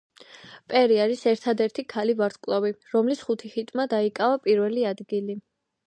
პერი არის ერთადერთი ქალი ვარსკვლავი, რომლის ხუთი ჰიტმა დაიკავა პირველი ადგილი.